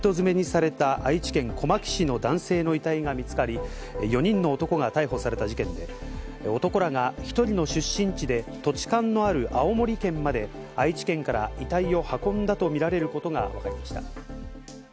ドラム缶の中からコンクリート詰めにされた愛知県小牧市の男性の遺体が見つかり、４人の男が逮捕された事件で、男らが１人の出身地で、土地勘のある青森県まで、愛知県から遺体を運んだとみられることがわかりました。